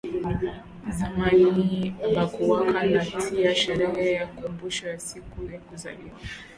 Zamani abakuwaka na tia sherehe ya kumbusho ya siku ya kuzaliwa